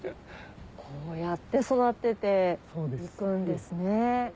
こうやって育てて行くんですね。